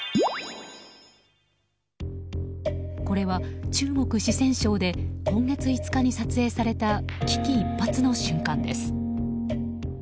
これは中国・四川省で今月５日に撮影された危機一髪の瞬間です。